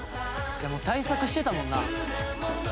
対策してたもんな。